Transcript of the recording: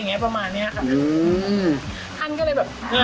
ทันก็เลยแบบทันมานี้ทันมานี้